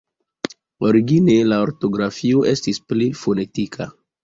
Origine, la ortografio estis pli fonetika.